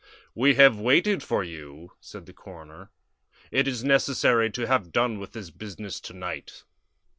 "We have waited for you," said the coroner. "It is necessary to have done with this business to night."